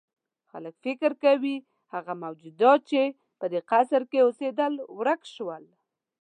خلک فکر کوي هغه موجودات چې په دې قصر کې اوسېدل ورک شول.